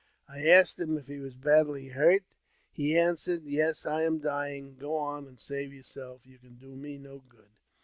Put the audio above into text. I asked him if he was badly hurt ; he an swered, " Yes, I am dying ; go on and save yourself : you can do me no good."